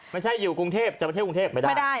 ไม่ใช่อยู่กรุงเทพจะไปเที่ยวกรุงเทพไม่ได้